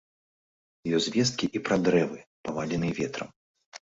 Ёсць звесткі і пра дрэвы, паваленыя ветрам.